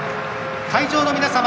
会場の皆様